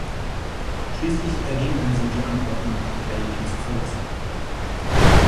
Schließlich erging an sie die Anordnung, Belgien zu verlassen.